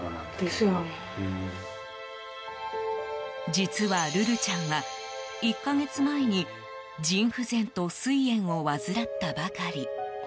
実はルルちゃんは、１か月前に腎不全と膵炎を患ったばかり。